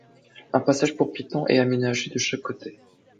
Un passage pour piétons est aménagé de chaque côté.